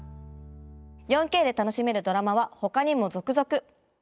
４Ｋで楽しめるドラマはほかにも続々！